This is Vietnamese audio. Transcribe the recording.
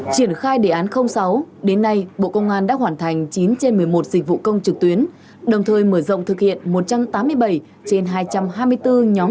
triển khai đề án sáu đến nay bộ công an đã hoàn thành chín trên một mươi một dịch vụ công trực tuyến đồng thời mở rộng thực hiện một trăm tám mươi bảy trên hai trăm linh